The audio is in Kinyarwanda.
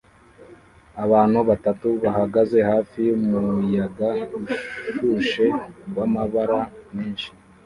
Abantu batatu bahagaze hafi yumuyaga ushushe wamabara menshi